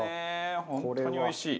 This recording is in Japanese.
本当においしい。